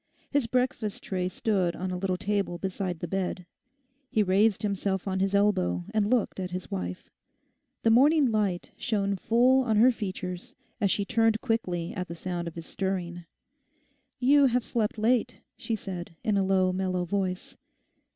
His breakfast tray stood on a little table beside the bed. He raised himself on his elbow and looked at his wife. The morning light shone full on her features as she turned quickly at sound of his stirring. 'You have slept late,' she said, in a low, mellow voice.